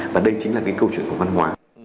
và đây chính là cái câu chuyện của văn hóa